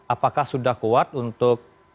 apakah sudah kuat untuk